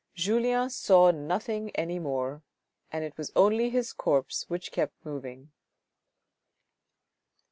Julien saw nothing any more, it was only his corpse which kept moving.